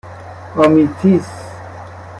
آمیتیس